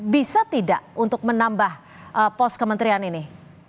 bisa tidak untuk menambah pos kementerian ini